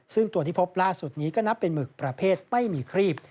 ซึ่งตัวที่พบล่าสุดนี้ก็นับเป็นหมึกประเภทไม่มีครีบ